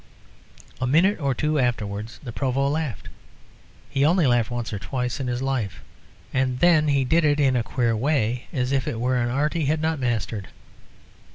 A minute or two afterwards, the Provost laughed. He only laughed once or twice in his life, and then he did it in a queer way as if it were an art he had not mastered.